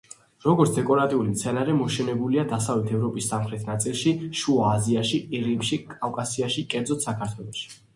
როგორც დეკორატიული მცენარე მოშენებულია დასავლეთ ევროპის სამხრეთ ნაწილში, შუა აზიაში, ყირიმში, კავკასიაში, კერძოდ, საქართველოში.